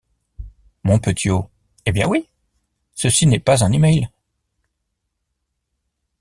Mon Petiot, Eh bien oui: ceci n’est pas un email.